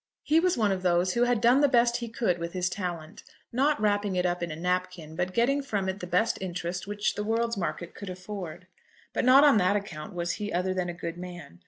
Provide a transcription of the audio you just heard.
He was one of those who had done the best he could with his talent, not wrapping it up in a napkin, but getting from it the best interest which the world's market could afford. But not on that account was he other than a good man.